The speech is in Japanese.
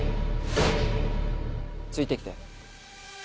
ついて来て。